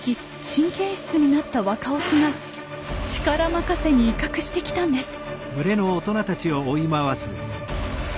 神経質になった若オスが力任せに威嚇してきたんです。